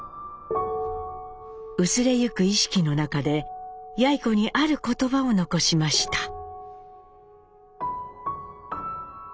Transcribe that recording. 薄れゆく意識の中でやい子にある言葉を残しました。